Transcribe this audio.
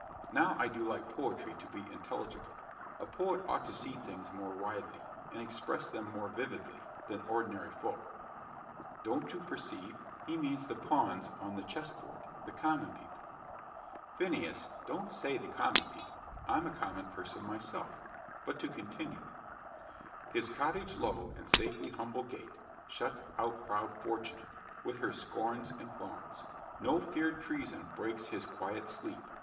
"Now I do like poetry to be intelligible. A poet ought to see things more widely, and express them more vividly, than ordinary folk." "Don't you perceive he means the pawns on the chess board the common people." "Phineas, don't say the common people I'm a common person myself. But to continue: 'His cottage low, and safely humble gate, Shuts out proud Fortune, with her scorns and fawns: No feared treason breaks his quiet sleep.